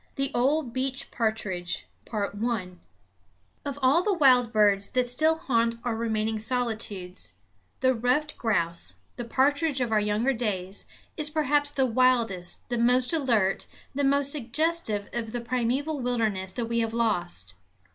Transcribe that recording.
THE OL' BEECH PA'TRIDGE Of all the wild birds that still haunt our remaining solitudes, the ruffed grouse the pa'tridge of our younger days is perhaps the wildest, the most alert, the most suggestive of the primeval wilderness that we have lost.